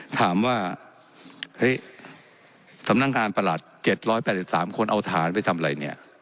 ถามว่าเฮ้ยสำนักงานประหลัด๗๘๓คนเอาฐานไปทำอะไรเนี่ย